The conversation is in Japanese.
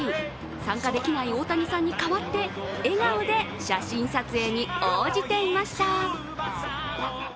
参加できない大谷さんに代わって笑顔で写真撮影に応じていました。